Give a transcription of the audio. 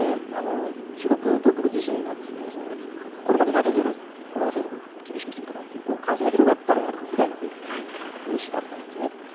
中国当局自身が、これまでなぜゼロコロナ政策厳しくしてきたかというと、感染が広がったらやはり被害が増えるという認識であったわけですね。